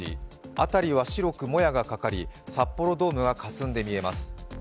辺りは白くもやがかかり札幌ドームはかすんで見えます。